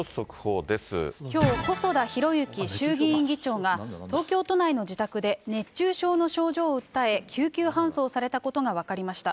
きょう、細田博之衆議院議長が、東京都内の自宅で熱中症の症状を訴え、救急搬送されたことが分かりました。